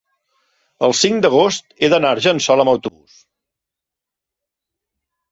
el cinc d'agost he d'anar a Argençola amb autobús.